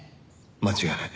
間違いない。